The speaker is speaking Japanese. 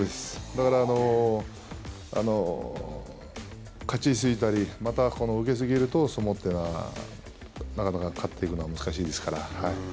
だから、勝ち急いだりまた、受け過ぎると相撲ってなかなか勝っていくのは難しいですから。